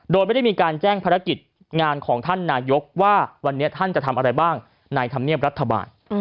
โดยไม่ได้มีการแจ้งภารกิจงานของท่านนายกว่าวันนี้ท่านจะทำอะไรบ้างในธรรมเนียบรัฐบาล